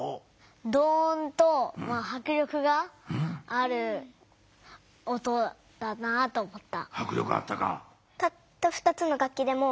ドーンとはく力がある音だなと思った。